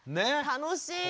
楽しい。